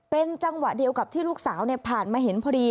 เป็นจังหวะเดียวกับที่ลูกสาวผ่านมาเห็นพอดี